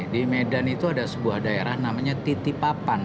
di medan itu ada sebuah daerah namanya titipapan